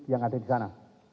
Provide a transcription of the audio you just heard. yang ada di sana